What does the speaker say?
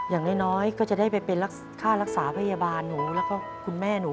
อย่างน้อยก็จะได้ไปเป็นค่ารักษาพยาบาลหนูแล้วก็คุณแม่หนู